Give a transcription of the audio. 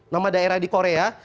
nama daerah di korea